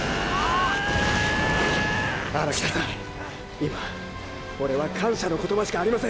今オレは感謝の言葉しかありません。